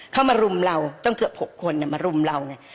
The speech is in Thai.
เขามารุ่มเราต้องเกือบหกคนน่ะมารุ่มเราไง